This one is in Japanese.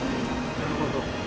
なるほど。